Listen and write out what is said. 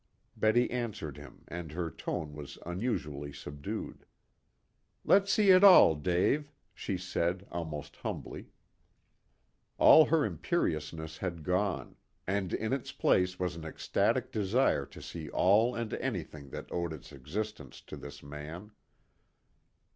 '" Betty answered him, and her tone was unusually subdued. "Let's see it all, Dave," she said, almost humbly. All her imperiousness had gone, and in its place was an ecstatic desire to see all and anything that owed its existence to this man.